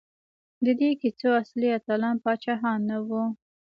د دې کیسو اصلي اتلان پاچاهان نه وو.